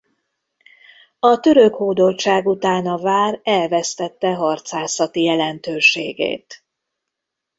A török hódoltság után a vár elvesztette harcászati jelentőségét.